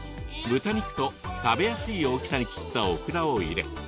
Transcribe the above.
豚肉と食べやすい大きさに切ったオクラを入れ